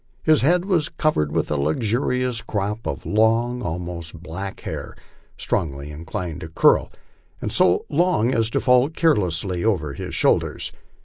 His head was covered with a luxuriant crop of long, almost black hair, strongly inclined to curl, and so long as to fall carelessly over his shoulders.